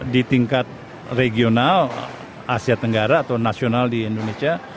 di tingkat regional asia tenggara atau nasional di indonesia